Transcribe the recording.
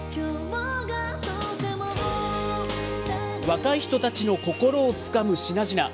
若い人たちの心をつかむ品々。